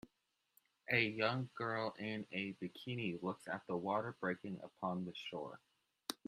A young girl in a bikini looks at the water breaking upon the shore.